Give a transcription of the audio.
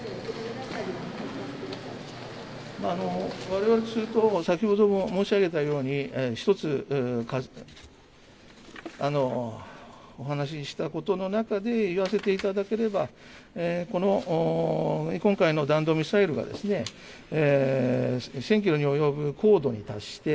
われわれとすると、先ほども申し上げたように、一つお話したことの中で言わせていただければ、この今回の弾道ミサイルが、１０００キロに及ぶ高度に達して、